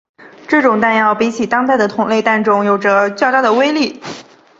这种弹药比起当代的同类弹种有着较大的威力。